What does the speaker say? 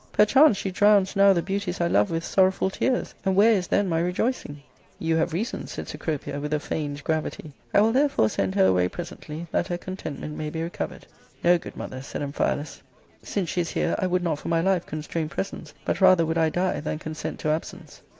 Perchance she drowns now the beauties I love with sorrowful tears, and where is then my rejoicing ?" You have reason, said Cecropia, with a feigned gravity; " I will therefore send her away presently, that her contentment may be recovered. " No, good mother, said Amphialus, " since she is here, I would not for my life constrain presence, but rather would I die than consent to absence.